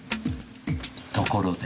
ところで。